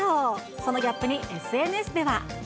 そのギャップにＳＮＳでは。